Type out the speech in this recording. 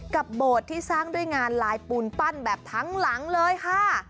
โบสถ์ที่สร้างด้วยงานลายปูนปั้นแบบทั้งหลังเลยค่ะ